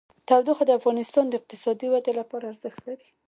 تودوخه د افغانستان د اقتصادي ودې لپاره ارزښت لري.